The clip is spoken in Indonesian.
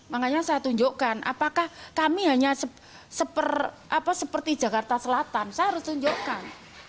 makanya saya tunjukkan apakah kami hanya seperti jakarta selatan saya harus tunjukkan